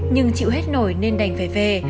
nhưng chịu hết nổi nên đành phải về